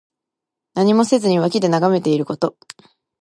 何もせずに脇で眺めていること。「拱手」は手をこまぬくの意味。